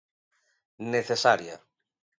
Necesaria.